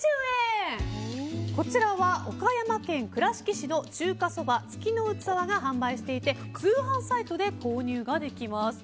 こちらは岡山県倉敷市の中華そば月のうつわが販売していて通販サイトで購入ができます。